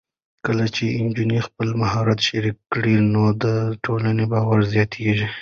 کله چې نجونې خپل مهارت شریک کړي، نو د ټولنې باور زیاتېږي.